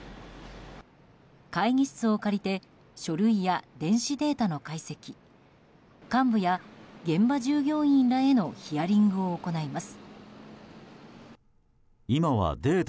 会議室を借りて書類や電子データの解析幹部や現場従業員らへのヒアリングを行います。